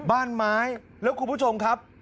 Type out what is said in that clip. บ้านไม้แล้วคุณผู้ชมครับ